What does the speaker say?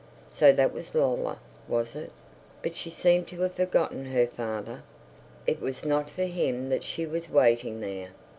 So that was Lola, was it? But she seemed to have forgotten her father; it was not for him that she was waiting there.